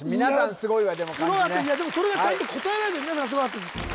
すごいわでも漢字ねすごかったでもそれがちゃんと答えられた皆さんすごかったです